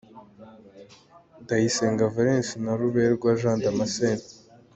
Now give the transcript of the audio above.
Ndayisenga Valens na Ruberwa Jean Damascene